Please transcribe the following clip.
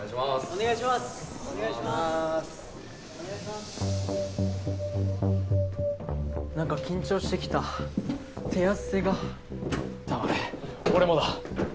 お願いしますなんか緊張してきた手汗が黙れ俺もだ